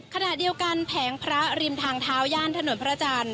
ขณะเดียวกันแผงพระริมทางเท้าย่านถนนพระจันทร์